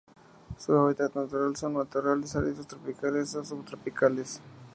Su hábitat natural son: matorrales áridos tropicales o subtropicales.